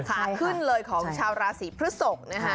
ขาขึ้นเลยของชาวราศีพฤศกนะฮะ